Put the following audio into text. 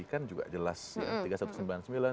kan juga jelas ya